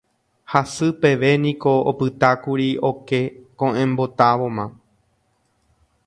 Hasy peve niko opytákuri oke koʼẽmbotávoma.